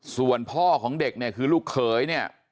ส่วนพ่อของเด็กเนี่ยคือลูกเขยเนี่ย